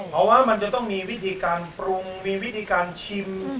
เพราะว่ามันจะต้องมีวิธีการปรุงมีวิธีการชิม